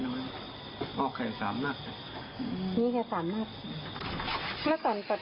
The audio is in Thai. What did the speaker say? เห็นเรา